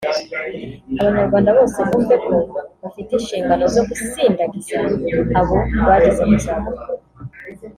Abanyarwanda bose bumve ko bafite inshingano zo gusindagiza abo bageze mu za bukuru